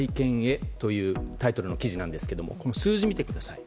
こういうタイトルの記事なんですがこの数字を見てください。